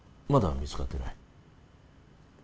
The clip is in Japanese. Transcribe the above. まだ見つかってない。